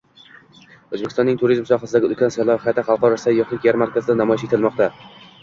O‘zbekistonning turizm sohasidagi ulkan salohiyati xalqaro sayyohlik yarmarkasida namoyish etilmoqda